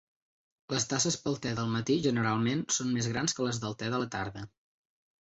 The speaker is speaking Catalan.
Les tasses pel te del matí generalment són més grans que les del te de la tarda.